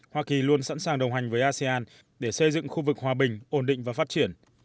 hoa kỳ luôn sẵn sàng đồng hành với asean để xây dựng khu vực hòa bình ổn định và phát triển